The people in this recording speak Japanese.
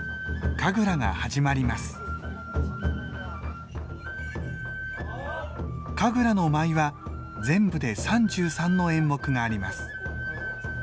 神楽の舞いは全部で３３の演目があります。